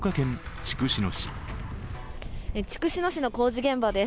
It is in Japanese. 筑紫野市の工事現場です。